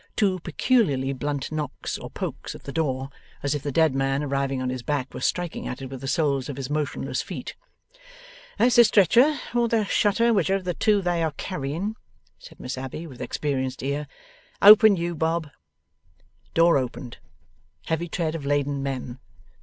Two peculiarly blunt knocks or pokes at the door, as if the dead man arriving on his back were striking at it with the soles of his motionless feet. 'That's the stretcher, or the shutter, whichever of the two they are carrying,' said Miss Abbey, with experienced ear. 'Open, you Bob!' Door opened. Heavy tread of laden men.